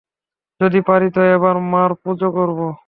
যদি পারি তো এবার মার পূজো করব।